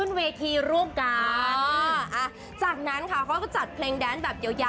เดี๋ยวนะจะขึ้นหลุยหรือขึ้นลับเตอร์ก็